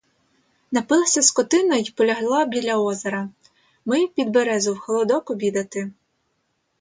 Напилася скотина й полягла біля озера; ми під березу в холодок обідати.